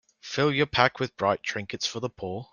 Fill your pack with bright trinkets for the poor.